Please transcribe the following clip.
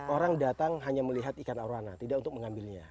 orang datang hanya melihat ikan arowana tidak untuk mengambilnya